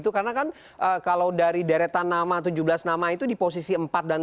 karena kan kalau dari deretan tujuh belas nama itu di posisi empat dan lima